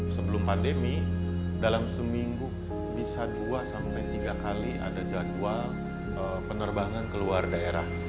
sebelum pandemi dalam seminggu bisa dua sampai tiga kali ada jadwal penerbangan keluar daerah